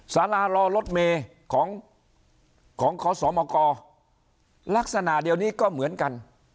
สารารอรถเมย์ของขอสมกลักษณะเดียวนี้ก็เหมือนกัน